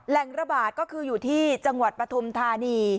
แหล่งระบาดก็คืออยู่ที่จังหวัดปทถานี